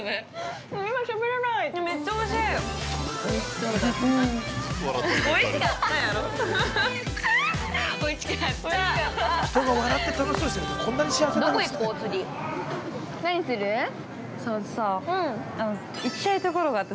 ◆おいしかった。